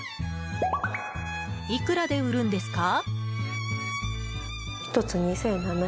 いくらで売るんですか？